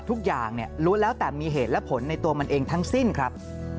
ทุกอย่างล้วนแล้วแต่มีเหตุและผลในตัวมันเองทั้งสิ้นครับ